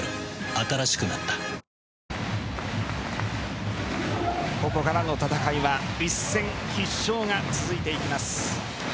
新しくなったここからの戦いは一戦必勝が続いていきます。